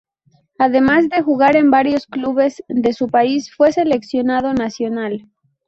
Además de jugar en varios clubes de su país fue seleccionado nacional.